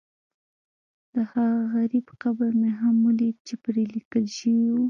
دهغه غریب قبر مې هم ولیده چې پرې لیکل شوي و.